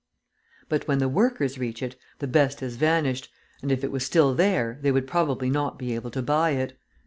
But when the workers reach it, the best has vanished, and, if it was still there, they would probably not be able to buy it.